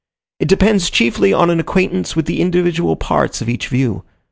It depends chiefly on an acquaintance with the individual parts of each view.